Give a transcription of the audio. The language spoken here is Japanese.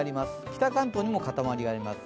北関東にも固まりがあります。